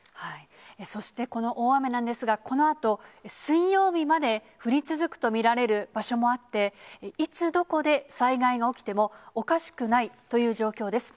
そして、この大雨なんですが、このあと、水曜日まで降り続くと見られる場所もあって、いつ、どこで災害が起きてもおかしくないという状況です。